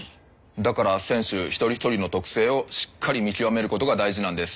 だから選手一人一人の特性をしっかり見極めることが大事なんです。